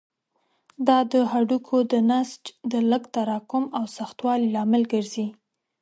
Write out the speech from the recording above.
دا د هډوکو د نسج د لږ تراکم او سختوالي لامل ګرځي.